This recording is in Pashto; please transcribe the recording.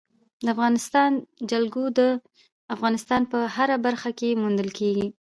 د افغانستان جلکو د افغانستان په هره برخه کې موندل کېږي.